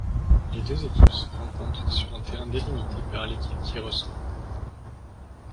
Les deux équipes se rencontrent sur un terrain délimité par l'équipe qui reçoit.